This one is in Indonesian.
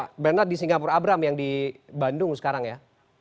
ya bernard di singapura abram yang di bandung sekarang ya